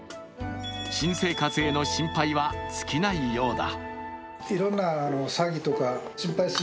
新生活への心配は尽きないようだ。